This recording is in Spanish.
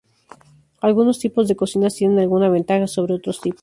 Algunos tipos de cocinas tienen alguna ventaja sobre otros tipos.